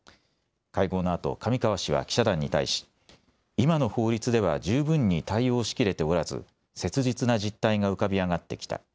会合のあと上川氏は記者団に対し今の法律では十分に対応しきれておらず切実な実態が浮かび上がってきた。